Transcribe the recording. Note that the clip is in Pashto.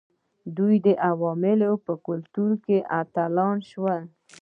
دوی د عوامو په کلتور کې اتلان شول.